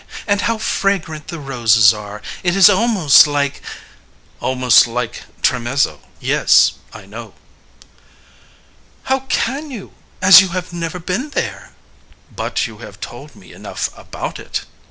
And how fragrant the roses are. It is almost like.... AMADEUS Almost like Tremezzo yes, I know. FREDERIQUE How can you as you have never been there? AMADEUS But you have told me enough about it.